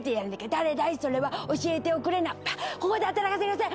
誰だい、それは教えておくれな、あっ、ここで働かせてください。